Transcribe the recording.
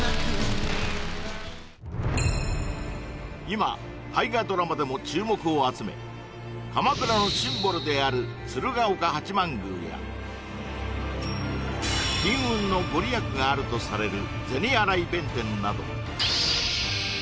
今大河ドラマでも注目を集め鎌倉のシンボルである鶴岡八幡宮や金運の御利益があるとされる